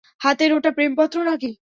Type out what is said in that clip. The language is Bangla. হাতের ওটা প্রেমপত্র না-কি?